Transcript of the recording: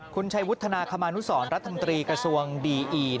คุณชัยวุฒนาคมานุสรรัฐมนตรีกระทรวงดีอี